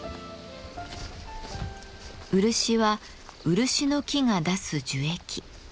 漆は漆の木が出す樹液。